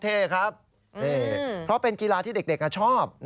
เท่ครับนี่เพราะเป็นกีฬาที่เด็กชอบ